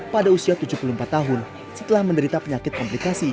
pada usia tujuh puluh empat tahun setelah menderita penyakit komplikasi